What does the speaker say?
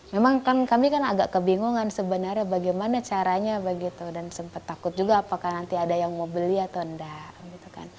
memang kan kami kan agak kebingungan sebenarnya bagaimana caranya begitu dan sempat takut juga apakah nanti ada yang mau beli atau enggak gitu kan